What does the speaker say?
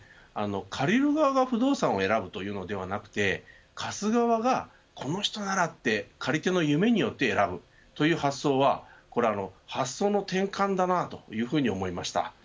借りる側が不動産を選ぶというのではなくて貸す側がこの人ならって借り手の夢によって選ぶという発想はこれは発想の転換だなというふうに思いました。